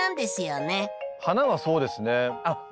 花はそうですね。